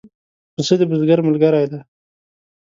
پسه د بزګر ملګری دی.